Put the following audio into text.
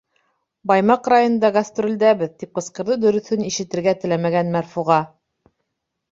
Баймаҡ районында гастролдәбеҙ. — тип ҡысҡырҙы дөрөҫөн ишетергә теләмәгән Мәрфуға.